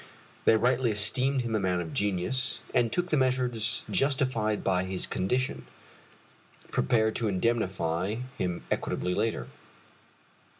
They rightly esteemed him a man of genius, and took the measures justified by his condition, prepared to indemnify him equitably later.